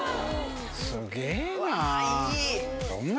すげぇな。